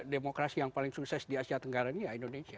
demokrasi yang paling sukses di asia tenggara ini ya indonesia